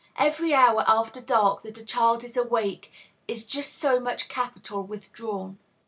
Every hour after dark that a child is awake is just so much capital withdrawn.